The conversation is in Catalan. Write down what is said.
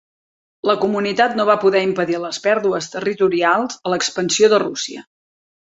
La Comunitat no va poder impedir les pèrdues territorials a l'expansió de Rússia.